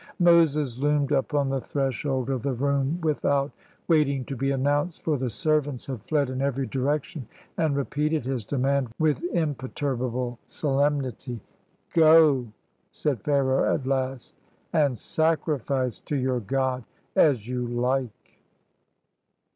Moses loomed up on the threshold of the room with out waiting to be announced, for the servants had fled in every direction, and repeated his demand with im perturbable solemnity. "Go," said Pharaoh, at last, "and sacrifice to your God as you like."